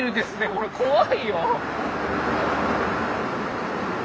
これ怖いよ。